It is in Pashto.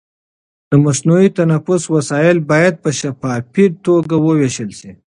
د مصنوعي تنفس وسایل باید په شفافي توګه وویشل شي.